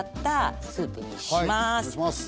はいお願いします。